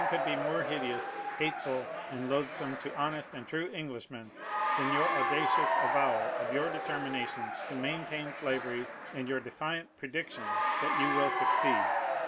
You are aware that nothing could be more hideous, hateful, and loathsome to honest and true Eng lishmen than your audacious avowal of your determination to maintain slavery and your defiant prediction that you will succeed.